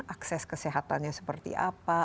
akses kesehatannya seperti apa